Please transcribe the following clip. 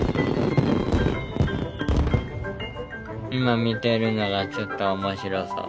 今見てるのがちょっと面白そう。